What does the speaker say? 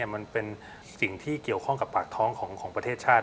มันเป็นสิ่งที่เกี่ยวข้องกับปากท้องของประเทศชาติ